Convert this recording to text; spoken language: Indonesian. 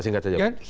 singkat saja pak